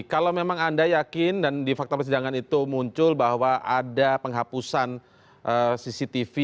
kalau memang anda yakin dan di fakta persidangan itu muncul bahwa ada penghapusan cctv